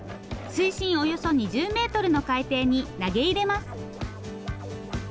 水深およそ２０メートルの海底に投げ入れます。